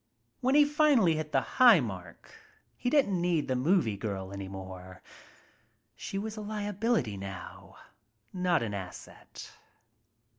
"When he finally hit the high mark he didn't need the movie girl any more. She was a liability now, not an asset.